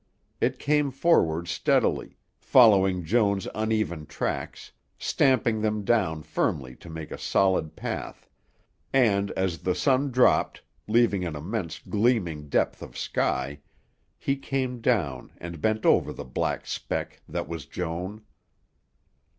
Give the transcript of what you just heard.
It came forward steadily, following Joan's uneven tracks, stamping them down firmly to make a solid path, and, as the sun dropped, leaving an immense gleaming depth of sky, he came down and bent over the black speck that was Joan....